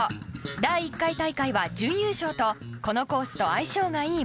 第１回大会は準優勝とこのコースと相性がいい